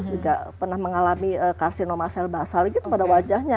sudah pernah mengalami karsinoma sel basal gitu pada wajahnya